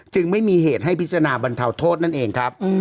ไม่มีเหตุให้พิจารณาบรรเทาโทษนั่นเองครับ